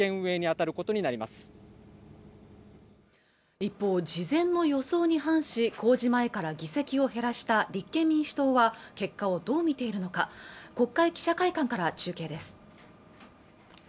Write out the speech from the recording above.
一方事前の予想に反し公示前から議席を減らした立憲民主党は結果をどう見ているのか国会記者会館から中継です